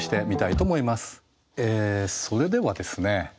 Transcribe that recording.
それではですね